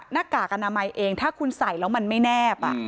กากอนามัยเองถ้าคุณใส่แล้วมันไม่แนบ